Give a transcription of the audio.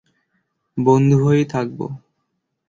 বন্ধু হয়েই থাকবো।